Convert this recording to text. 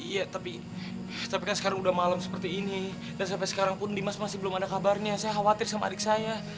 iya tapi kan sekarang udah malam seperti ini dan sampai sekarang pun dimas masih belum ada kabarnya saya khawatir sama adik saya